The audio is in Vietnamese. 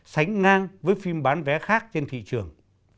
sánh ngang với phim bán vé khác trên thị trường